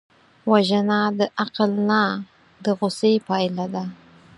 وژنه د عقل نه، د غصې پایله ده